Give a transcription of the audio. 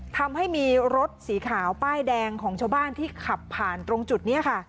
ทำให้มีรถสีขาวป้ายแดงของชาวบ้านที่ขับผ่านตรงจุดนี้ค่ะ